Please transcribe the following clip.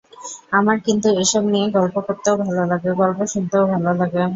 আমার কিন্তু এসব নিয়ে গল্প করতেও ভালো লাগে, গল্প শুনতেও ভালো লাগে।